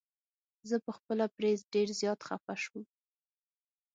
زه په خپله پرې ډير زيات خفه شوم.